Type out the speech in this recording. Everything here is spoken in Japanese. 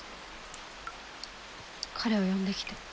彼を呼んできて。